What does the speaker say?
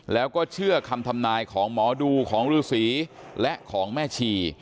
แล้วก็เชื่อคำทำนายของหมอดูของฤษีและของแม่ชี